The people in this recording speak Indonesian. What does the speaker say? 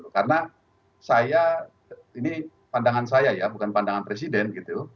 karena saya ini pandangan saya ya bukan pandangan presiden gitu